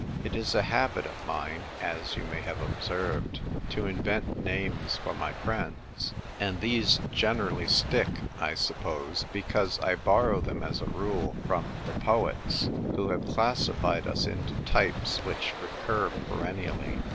It is a habit of mine (as you may have observed) to invent names for my friends ; and these generally stick — I suppose because I borrovr them as a rule from the poets, who have classified us into types which recur perennially.